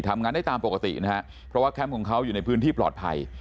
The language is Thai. ทำงานได้ตามปกตินะฮะเพราะว่าแคมป์ของเขาอยู่ในพื้นที่ปลอดภัย